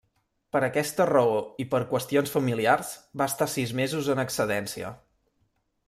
Per aquesta raó i per qüestions familiars, va estar sis mesos en excedència.